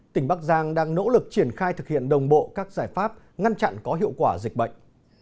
tỉnh bắc giang đang nỗ lực triển khai thực hiện đồng bộ các giải pháp ngăn chặn có hiệu quả dịch bệnh